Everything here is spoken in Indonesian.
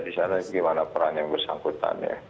di sana gimana peran yang bersangkutan ya